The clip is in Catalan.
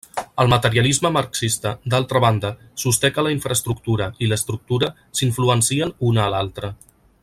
El materialisme marxista, d'altra banda, sosté que la infraestructura i l'estructura s'influencien una a l'altra.